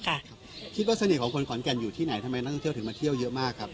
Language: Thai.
ครับคิดว่าเสน่ห์ของคนขอนแก่นอยู่ที่ไหนทำไมนักท่องเที่ยวถึงมาเที่ยวเยอะมากครับ